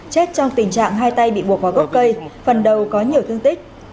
chết trong tình trạng hai tay bị buộc vào gốc cây phần đầu có nhiều thương tích